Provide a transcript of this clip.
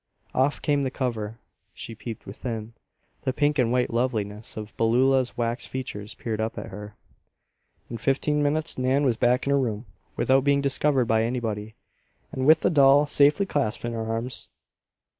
Off came the cover. She peeped within. The pink and white loveliness of Beulah's wax features peered up at her. In fifteen minutes Nan was back in her room, without being discovered by anybody, and with the doll safely clasped in her arms.